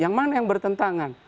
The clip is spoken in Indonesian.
yang mana yang bertentangan